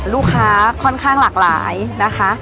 ลูกค้าค่อนข้างหลากหลายนะคะ